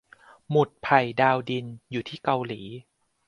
หมุดไผ่ดาวดินอยู่ที่เกาหลี